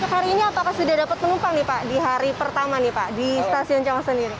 hari ini apakah sudah dapat penumpang nih pak di hari pertama nih pak di stasiun cawang sendiri